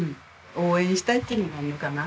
応援したいっていうのがあるのかな。